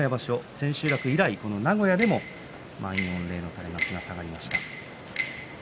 千秋楽以来名古屋でも満員御礼の垂れ幕がかかりました。